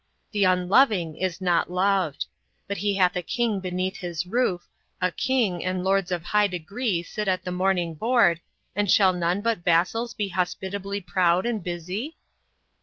The unloving is not loved. But he hath a king beneath his roof; a king and lords of high degree sit at the morning board, and shall none but vassals be hospitably proud and busy?